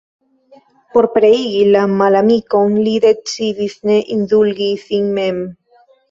Por pereigi la malamikon, li decidis ne indulgi sin mem.